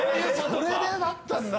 それでだったんだ。